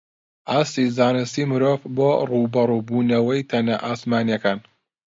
ئاستی زانستی مرۆڤ بۆ ڕووبەڕووبوونەوەی تەنە ئاسمانییەکان